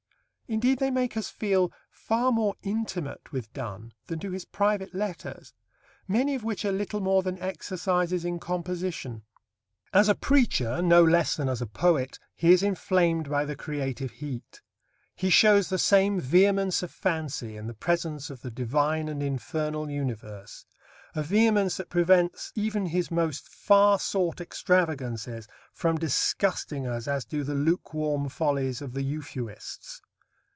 Indeed, they make us feel far more intimate with Donne than do his private letters, many of which are little more than exercises in composition. As a preacher, no less than as a poet, he is inflamed by the creative heat. He shows the same vehemence of fancy in the presence of the divine and infernal universe a vehemence that prevents even his most far sought extravagances from disgusting us as do the lukewarm follies of the Euphuists.